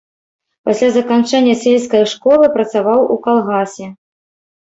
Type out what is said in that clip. Пасля заканчэння сельскай школы працаваў у калгасе.